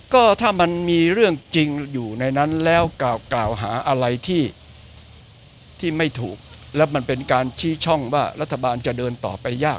ก็ถ้ามันมีเรื่องจริงอยู่ในนั้นแล้วกล่าวหาอะไรที่ไม่ถูกแล้วมันเป็นการชี้ช่องว่ารัฐบาลจะเดินต่อไปยาก